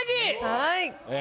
はい。